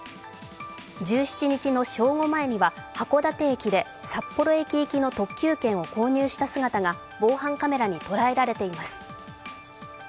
１７日の正午前には函館駅で札幌駅行きの特急券を購入した姿が防犯カメラに捉えられています。